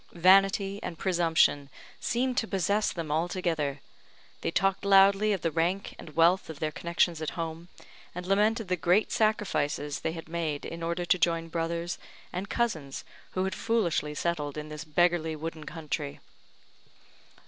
Vanity and presumption seemed to possess them altogether. They talked loudly of the rank and wealth of their connexions at home, and lamented the great sacrifices they had made in order to join brothers and cousins who had foolishly settled in this beggarly wooden country.